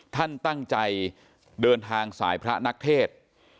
ท่านตั้งใจเดินทางสายพระนักเทศ